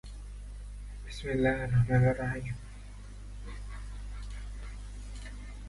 A prodrug of riluzole, trigriluzole, is under investigation for spinocerebellar ataxia.